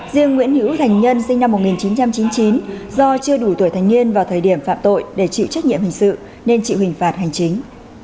riêng nguyễn hữu thành nhân sinh năm một nghìn chín trăm chín mươi chín do chưa đủ tuổi thanh niên vào thời điểm phạm tội để chịu trách nhiệm hình sự nên chịu hình phạt hành chính